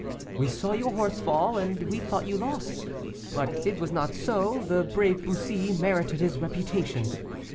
We saw your horse fall, and we thought you lost, but it was not so; the brave Bussy merited his reputation.